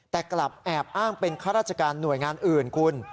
แต่กลับแอบอ้างเป็นข้าราชการหน่วยงานอื่นคุณ